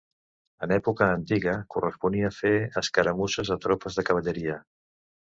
En època antiga corresponia fer escaramusses a tropes de cavalleria.